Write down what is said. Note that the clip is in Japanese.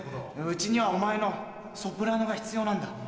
うちにはお前のソプラノが必要なんだ。